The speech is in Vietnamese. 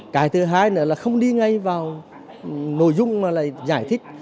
cái thứ hai là không đi ngay vào nội dung mà giải thích